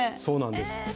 そうなんです。